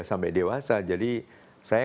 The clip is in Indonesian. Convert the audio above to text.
sampai dewasa jadi saya